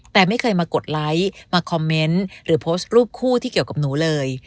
แต่ไม่เคยมากดไลค์มาคอมเมนต์หรือโพสต์รูปคู่ที่เกี่ยวกับหนูเลย